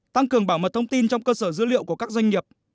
tăng cường bảo mật thông tin trong cơ sở dữ liệu của các doanh nghiệp